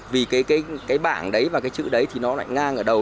vì cái bảng đấy và cái chữ đấy thì nó lại ngang ở đầu